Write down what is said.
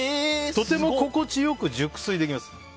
とても心地良く熟睡できます。